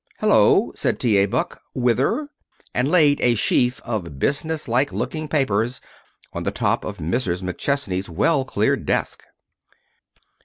"Hello!" said T. A. Buck. "Whither?" and laid a sheaf of businesslike looking papers on the top of Mrs. McChesney's well cleared desk.